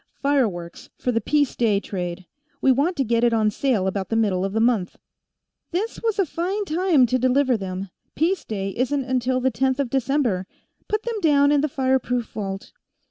"Fireworks, for the Peace Day trade. We want to get it on sale about the middle of the month." "This was a fine time to deliver them. Peace Day isn't till the Tenth of December. Put them down in the fireproof vault."